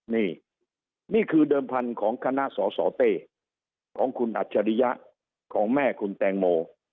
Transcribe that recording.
นี่นี่คือเดิมพันธุ์ของคณะสสเต้ของคุณอัจฉริยะของแม่คุณแตงโม